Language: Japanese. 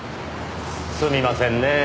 すみませんねぇ。